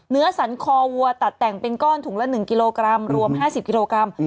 เนื้อสันคอวัวตัดแต่งเป็นก้อนถุงละ๑กิโลกรัมรวม๕๐กิโลกรัม